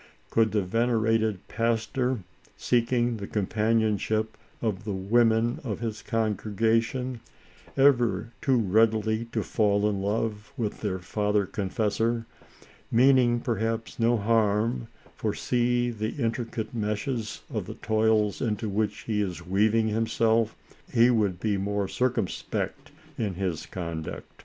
Could the venerated pas tor, seeking the companionship of # the women of his congregation, ever too ready to fall in love with their father confessor, meaning perhaps no harm, foresee the intricate meshes of the toils into which he is weaving himself, he would be more circumspect in his conduct.